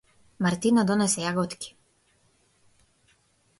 Мартина донесе јаготки.